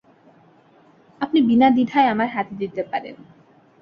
আপনি বিনা দ্বিধায় আমার হাতে দিতে পারেন।